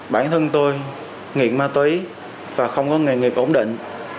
bản thân tôi nghiện ma túy và không có nghề nghiệp ổn định